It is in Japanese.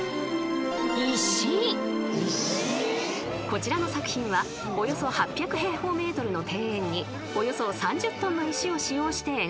［こちらの作品はおよそ８００平方ｍの庭園におよそ３０ｔの石を使用して描かれました］